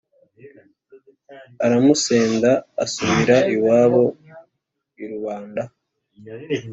, aramusenda asubira iwabo iRubanda